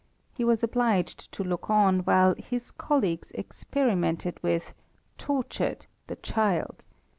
He was obliged to look on while his colleagues experimented with, tortured, the child.